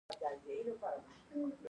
فزیک د څه شي پوهنه ده؟